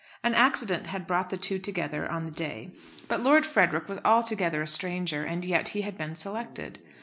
An accident had brought the two together on the day, but Lord Frederick was altogether a stranger, and yet he had been selected.